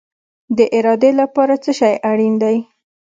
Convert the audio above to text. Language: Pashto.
د ارادې لپاره څه شی اړین دی؟